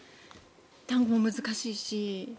単語も難しいし。